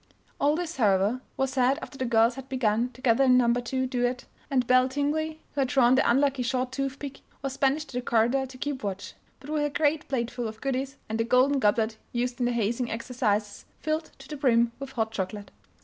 All this, however, was said after the girls had begun to gather in Number 2 duet, and Belle Tingley, who had drawn the unlucky short toothpick, was banished to the corridor to keep watch but with a great plateful of goodies and the "golden goblet" used in the hazing exercises, filled to the brim with hot chocolate.